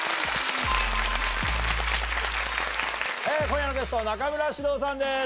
今夜のゲスト中村獅童さんです。